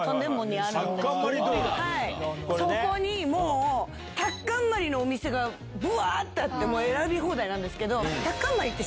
そこにタッカンマリのお店がぶわ！とあって選び放題なんですけど。